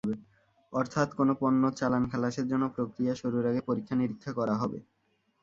অর্থাৎ কোনো পণ্য-চালান খালাসের জন্য প্রক্রিয়া শুরুর আগে পরীক্ষা-নিরীক্ষা করা হবে।